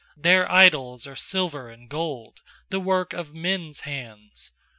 4Their idols are silver and gold, The work of men's hands.